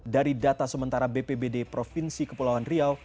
dari data sementara bpbd provinsi kepulauan riau